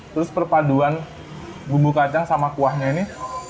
terus perpaduan bumbu kacang sama kuahnya ini